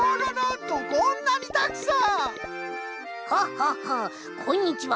「ハハハこんにちは。